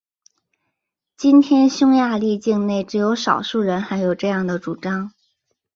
今天匈牙利境内只有少数人还有这样的主张。